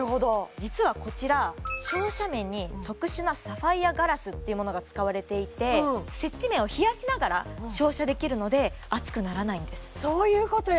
実はこちら照射面に特殊なサファイアガラスっていうものが使われていて接地面を冷やしながら照射できるので熱くならないんですそういうことや！